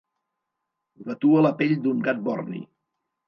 Vatua la pell d'un gat borni!